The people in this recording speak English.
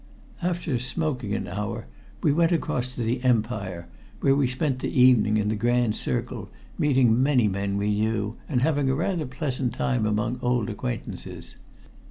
After smoking an hour we went across to the Empire, where we spent the evening in the grand circle, meeting many men we knew and having a rather pleasant time among old acquaintances.